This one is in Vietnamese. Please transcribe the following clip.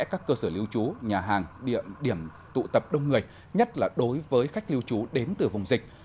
các cơ sở lưu trú nhà hàng điểm tụ tập đông người nhất là đối với khách lưu trú đến từ vùng dịch